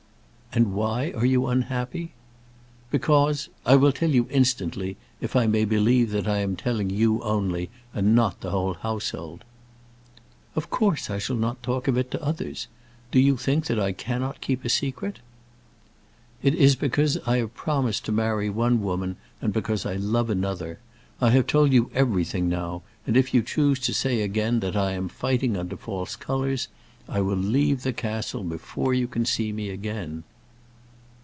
"And why are you unhappy?" "Because I will tell you instantly, if I may believe that I am telling you only, and not the whole household." "Of course I shall not talk of it to others. Do you think that I cannot keep a secret?" "It is because I have promised to marry one woman, and because I love another. I have told you everything now; and if you choose to say again that I am fighting under false colours I will leave the castle before you can see me again."